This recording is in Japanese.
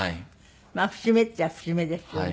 まあ節目っちゃ節目ですよね。